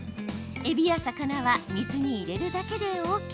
えびや魚は水に入れるだけでＯＫ。